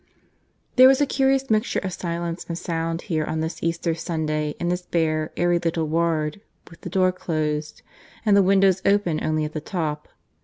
There was a curious mixture of silence and sound here on this Easter Sunday in this bare, airy little ward, with the door closed, and the windows open only at the top.